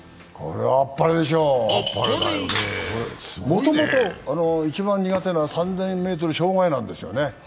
もともと一番苦手な３０００ｍ障害なんですよね。